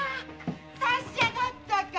達者だったか？